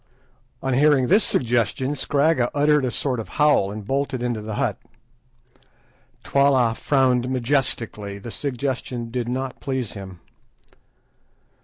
On hearing this suggestion Scragga uttered a sort of howl, and bolted into the hut. Twala frowned majestically; the suggestion did not please him.